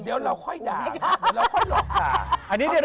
เดี๋ยวเราค่อยด่าเราค่อยหลอกด่า